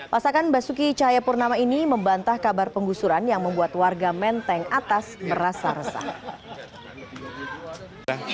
pasakan basuki cahayapurnama ini membantah kabar penggusuran yang membuat warga menteng atas merasa resah